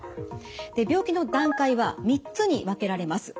で病気の段階は３つに分けられます。